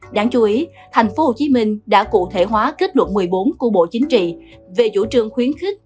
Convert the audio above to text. đáng chú ý tp hcm đã cụ thể hóa kết luận một mươi bốn của bộ chính trị về chủ trương khuyến khích